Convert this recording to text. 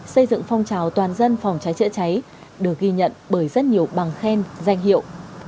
xây dựng phong trào toàn dân phòng cháy chữa cháy được ghi nhận bởi rất nhiều bằng khen danh hiệu